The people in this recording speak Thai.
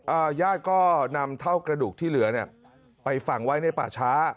ญาติก็นำเท่ากระดูกที่เหลือเนี้ยไปฝังไว้ในป่าช้า